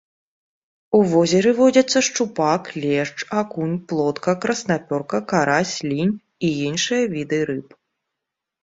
У возеры водзяцца шчупак, лешч, акунь, плотка, краснапёрка, карась, лінь і іншыя віды рыб.